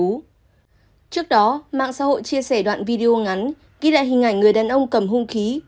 trước đó mạng xã hội chia sẻ đoạn video ngắn ghi lại hình ảnh người đàn ông cầm hung khí